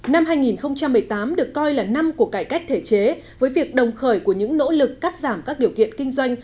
năm hai nghìn một mươi tám được coi là năm của cải cách thể chế với việc đồng khởi của những nỗ lực cắt giảm các điều kiện kinh doanh